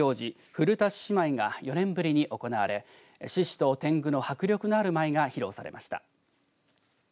古田獅子舞が４年ぶりに行われ獅子とてんぐの迫力のある舞が披露されました。